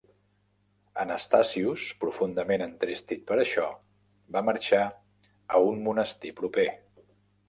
Anastasius, profundament entristit per això, va marxar a un monestir proper.